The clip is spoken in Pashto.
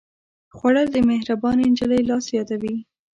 خوړل د مهربانې نجلۍ لاس یادوي